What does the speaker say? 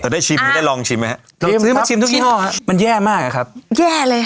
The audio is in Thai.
แต่ได้ชิมได้ลองชิมไหมฮะลองซื้อมาชิมทุกยี่ห้อฮะมันแย่มากอะครับแย่เลยค่ะ